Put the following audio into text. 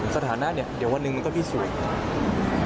สถานะเนี่ยเดี๋ยววันหนึ่งมันก็พิสูจน์